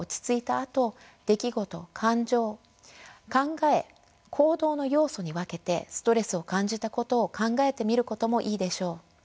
あと出来事感情考え行動の要素に分けてストレスを感じたことを考えてみることもいいでしょう。